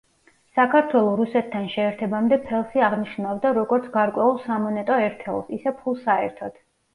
საქართველო რუსეთთან შეერთებამდე ფელსი აღნიშნავდა როგორც გარკვეულ სამონეტო ერთეულს, ისე ფულს საერთოდ.